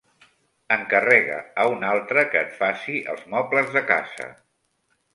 Encarrega a un altre que et faci els mobles de casa.